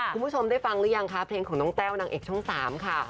คุณผู้ชมได้ฟังหรือยังคะเพลงของน้องแต้วนางเอกช่อง๓ค่ะ